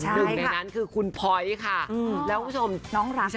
ใช่ในนั้นคือคุณพอยต์ค่ะแล้วคุณผู้ชม